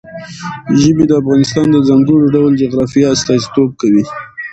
ژبې د افغانستان د ځانګړي ډول جغرافیه استازیتوب کوي.